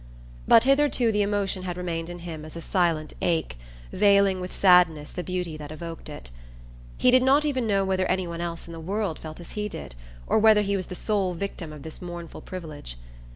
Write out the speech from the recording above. But hitherto the emotion had remained in him as a silent ache, veiling with sadness the beauty that evoked it. He did not even know whether any one else in the world felt as he did, or whether he was the sole victim of this mournful privilege.